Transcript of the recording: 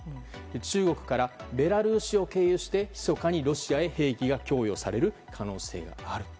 中国からベラルーシを経由して密かにロシアへ兵器が供与される可能性があると。